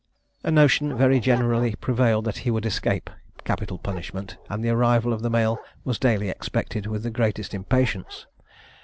A notion very generally prevailed that he would escape capital punishment, and the arrival of the mail was daily expected with the greatest impatience.